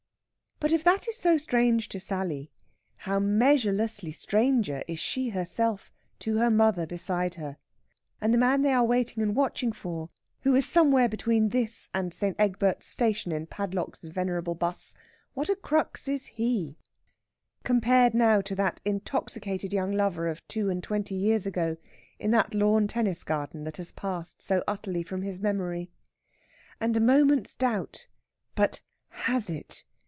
But if that is so strange to Sally, how measurelessly stranger is she herself to her mother beside her! And the man they are waiting and watching for, who is somewhere between this and St. Egbert's station in Padlock's venerable 'bus, what a crux is he, compared now to that intoxicated young lover of two and twenty years ago, in that lawn tennis garden that has passed so utterly from his memory! And a moment's doubt, "But has it?"